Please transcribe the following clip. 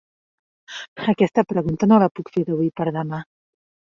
Aquesta pregunta no la puc fer d'avui per demà.